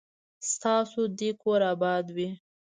ستاسو دي کور اباد وي